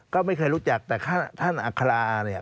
ก็ไม่เคยรู้จักแต่ท่านอัคราเนี่ย